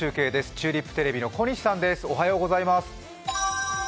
チューリップテレビの小西さんです。